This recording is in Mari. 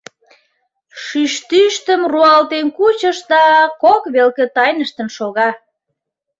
Шӱштӱштым руалтен кучыш да кок велке тайныштын шога.